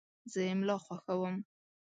زه املا خوښوم.